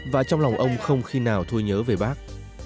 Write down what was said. và trong lòng ông không khi nào thôi nhớ về bác